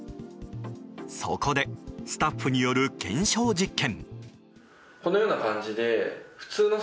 そこでスタッフによる検証実験。